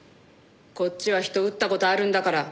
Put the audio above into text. こっちは人を撃った事あるんだから。